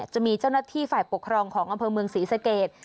จะมีเจ้าหน้าที่ฝ่ายปกครองของอำเภอเมืองศรีสเกต